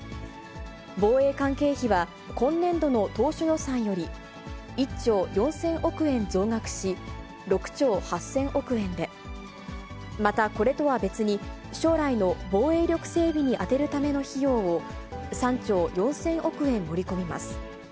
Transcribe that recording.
防衛関係費は今年度の当初予算より１兆４０００億円増額し６兆８０００億円で、またこれとは別に、将来の防衛力整備に充てる費用を３兆４０００億円盛り込みます。